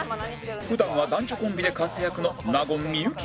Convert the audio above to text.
普段は男女コンビで活躍の納言幸だが